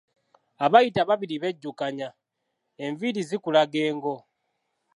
Abayita ababiri bejjukanya, enviiri zikulaga engo.